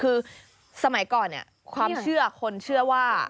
คือสมัยก่อนเนี่ยความเชื่อคนเชื่อว่า